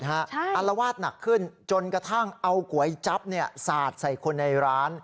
อารวาสหนักขึ้นจนกระทั่งเอาก๋วยจั๊บสาดใส่คนในร้าน